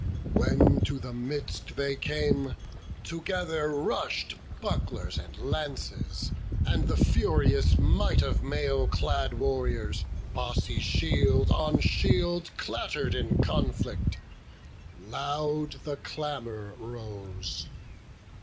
When to the midst they came, together rush'd Bucklers and lances, and the furious might Of mail clad warriors; bossy shield on shield Clatter'd in conflict; loud the clamour rose.